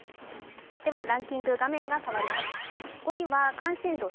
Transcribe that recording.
ではランキング画面が変わります。